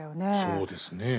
そうですね。